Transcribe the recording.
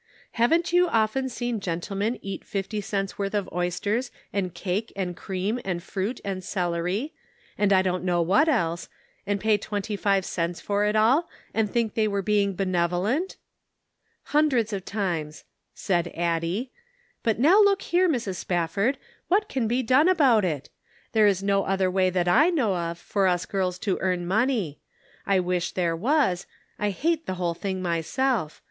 Haven't you often seen gentlemen eat fifty cents worth of oysters and cake and cream and fruit and celery, and I don't know what else, and pay twenty five cents for it all, and think they were being benevolent ?"" Hundreds of times," said Addie. " But now look here, .Mrs. Spafford, what can be done about it ? There is no other way that I know of for us girls to earn money. I wish there was ; I hate the whole thing myself.